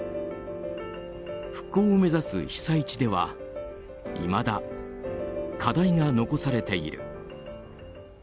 復興を目指す被災地ではいまだ、課題が残されている。